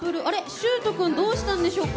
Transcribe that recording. しゅーと君どうしたんでしょうか。